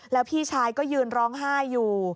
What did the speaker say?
แล้วพี่ชายก็ยืนร้องไห้อยู่